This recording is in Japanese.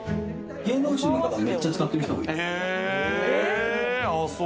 芸能人の方、めっちゃ使ってる人多い。